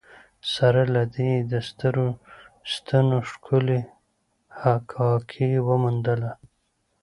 سره له دې یې د سترو ستنو ښکلې حکاکي وموندله.